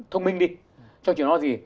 thông minh đi